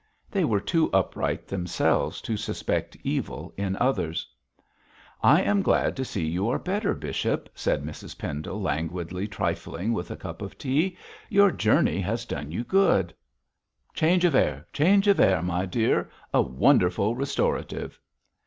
They were too upright themselves to suspect evil in others. 'I am so glad to see you are better, bishop,' said Mrs Pendle, languidly trifling with a cup of tea. 'Your journey has done you good.' 'Change of air, change of air, my dear. A wonderful restorative.'